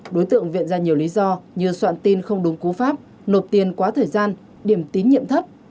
đối tượng viện ra nhiều lý do như soạn tin không đúng cú pháp nộp tiền quá thời gian điểm tín nhiệm thấp